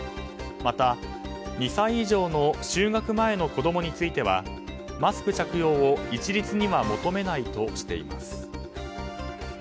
また２歳以上の就学前の子供についてはマスク着用を一律には求めないとしています。